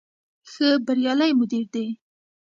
ښه بریالی مدیر دی.